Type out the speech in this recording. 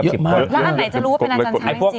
แล้วอันไหนจะรู้ว่าเป็นอาจารย์ชัย